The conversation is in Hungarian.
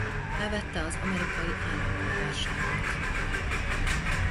Felvette az amerikai állampolgárságot.